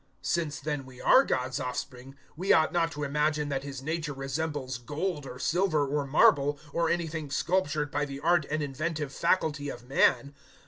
017:029 Since then we are God's offspring, we ought not to imagine that His nature resembles gold or silver or marble, or anything sculptured by the art and inventive faculty of man.